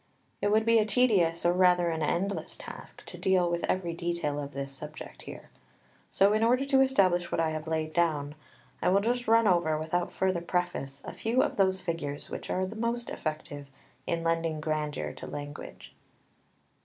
It would be a tedious, or rather an endless task, to deal with every detail of this subject here; so in order to establish what I have laid down, I will just run over, without further preface, a few of those figures which are most effective in lending grandeur to language.